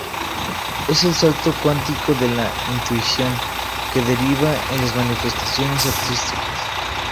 Es el salto cuántico de la intuición, que deriva en las manifestaciones artísticas.